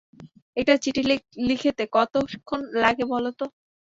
একটা চিঠি লিখতে কতক্ষণ লাগে বল তো?